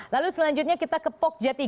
lalu selanjutnya kita ke pokja tiga